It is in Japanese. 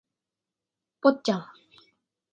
ポッチャマ